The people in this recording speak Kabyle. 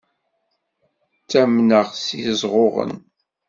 Ttamneɣ s yiẓɣuɣen.